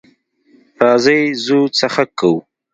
راځئ ځو څخنک کوو.